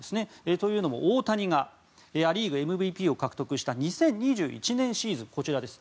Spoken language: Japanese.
というのも大谷がア・リーグＭＶＰを獲得した２０２１年シーズンこちらです。